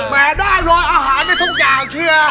แม้ได้รออาหารไม่ทุกอย่างเชื่อ